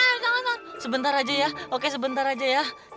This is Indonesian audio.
ayo jangan sebentar aja ya oke sebentar aja ya